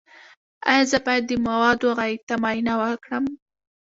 ایا زه باید د مواد غایطه معاینه وکړم؟